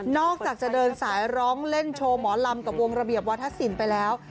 อกจากจะเดินสายร้องเล่นโชว์หมอลำกับวงระเบียบวัฒนศิลป์ไปแล้ว